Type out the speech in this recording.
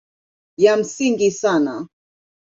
Ya msingi sana